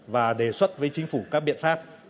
và đề xuất với chính phủ các biện pháp